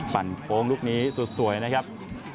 ปั่นโค้งลูกนี้สุดสวยนะครับ